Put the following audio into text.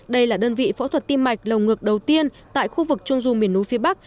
đây là đơn vị phẫu thuật tim mạch lồng ngược đầu tiên tại khu vực trung du miền núi phía bắc